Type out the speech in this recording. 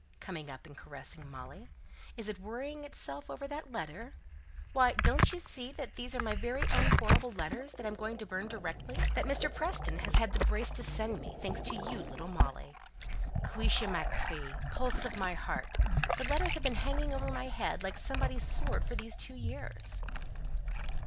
coming up and caressing Molly. "Is it worrying itself over that letter? Why, don't you see these are my very own horrible letters, that I am going to burn directly, that Mr. Preston has had the grace to send me, thanks to you, little Molly cuishla ma chree, pulse of my heart, the letters that have been hanging over my head like somebody's sword for these two years?"